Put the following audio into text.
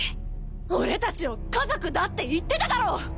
俺たちを家族だって言ってただろ！